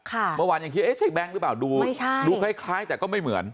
เมื่อวานยังคิดเอ๊ะใช่แบงค์หรือเปล่าดูคล้ายคล้ายแต่ก็ไม่เหมือน